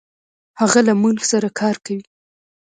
هغه له مونږ سره کار کوي.